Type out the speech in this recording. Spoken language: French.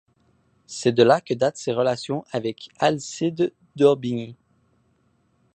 C’est de là que datent ses relations avec Alcide d’Orbigny.